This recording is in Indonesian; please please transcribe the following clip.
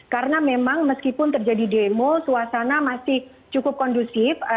karena memang meskipun terjadi demo suasana masih cukup kondusif